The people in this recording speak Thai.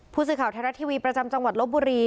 ผู้สื่อข่าวไทยรัฐทีวีประจำจังหวัดลบบุรี